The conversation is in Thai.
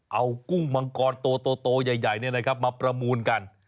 เอากุ้งมังกรโตใหญ่มาประมูลกัน